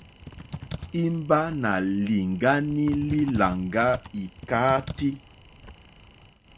Imba nà lìŋgani li làŋga ikàati.